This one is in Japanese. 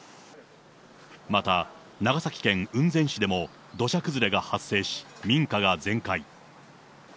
また、長崎県雲仙市でも土砂崩れが発生し、民家が全壊。